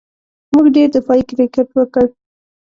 موږ ډېر دفاعي کرېکټ وکړ.